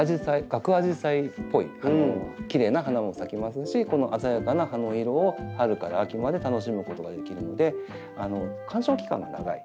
ガクアジサイっぽいきれいな花も咲きますしこの鮮やかな葉の色を春から秋まで楽しむことができるので観賞期間が長い